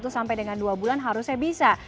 satu sampai dengan dua bulan harusnya bisa